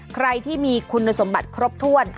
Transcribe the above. ใครที่มีคุณสมบัติครบถ้วน